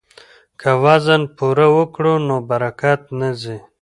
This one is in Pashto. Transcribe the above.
که وزن پوره ورکړو نو برکت نه ځي.